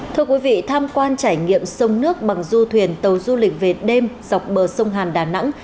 thưa quý vị tham quan trải nghiệm sông nước bằng du thuyền tàu du lịch về đêm dọc bờ sông hàn đà nẵng